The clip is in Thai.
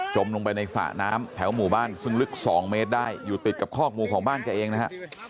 ลงไปในสระน้ำแถวหมู่บ้านซึ่งลึก๒เมตรได้อยู่ติดกับคอกงูของบ้านแกเองนะฮะ